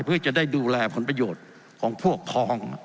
เพื่อจะได้ดูแลผลประโยชน์ของพวกพอง